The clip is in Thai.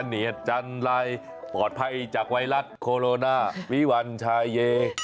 เนียดจันไรปลอดภัยจากไวรัสโคโรนาวิวัลชายเย